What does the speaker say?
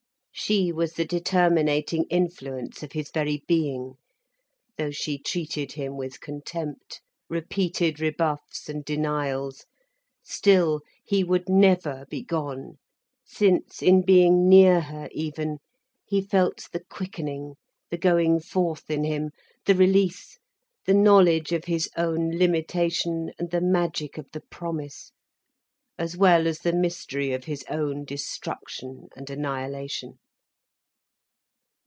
She was the determinating influence of his very being, though she treated him with contempt, repeated rebuffs, and denials, still he would never be gone, since in being near her, even, he felt the quickening, the going forth in him, the release, the knowledge of his own limitation and the magic of the promise, as well as the mystery of his own destruction and annihilation.